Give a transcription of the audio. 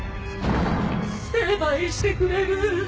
成敗してくれる。